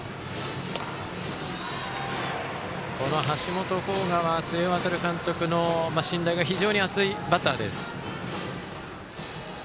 この橋本航河は須江航監督の信頼が非常に厚いバッターです。